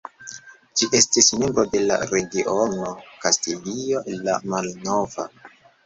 Ĝi estis membro de la regiono Kastilio la Malnova.